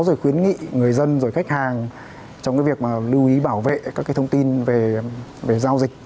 rồi khuyến nghị người dân rồi khách hàng trong cái việc mà lưu ý bảo vệ các cái thông tin về giao dịch